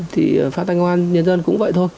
thì phát thanh công an nhân dân cũng vậy thôi